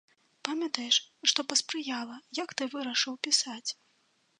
Памятаеш, што паспрыяла, як ты вырашыў пісаць?